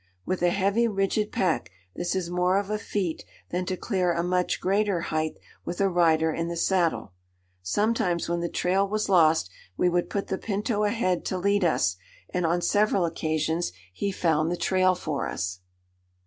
With a heavy, rigid pack this is more of a feat than to clear a much greater height with a rider in the saddle. Sometimes when the trail was lost we would put the Pinto ahead to lead us, and on several occasions he found the trail for us.